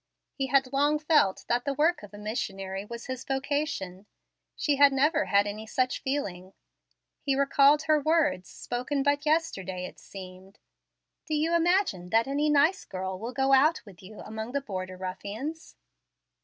He had long felt that the work of a missionary was his vocation. She had never had any such feeling. He recalled her words, spoken but yesterday, it seemed: "Do you imagine that any nice girl will go out with you among the border ruffians?"